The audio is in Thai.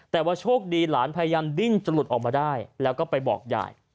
แต่ว่าโชคดีหลานพยายามดิ้นจะหลุดออกมาได้แล้วก็ไปบอกยาย